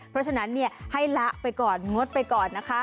เพราะฉะนั้นให้ละไปก่อนงดไปก่อนนะคะ